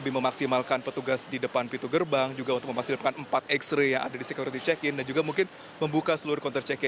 hamin empat itu angkanya diseluruh